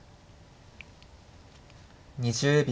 ２０秒。